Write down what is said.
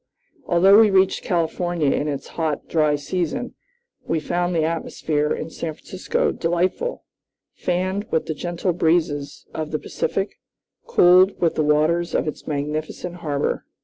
Although we reached California in its hot, dry season, we found the atmosphere in San Francisco delightful, fanned with the gentle breezes of the Pacific, cooled with the waters of its magnificent harbor.